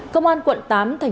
công an quận tám tp hcm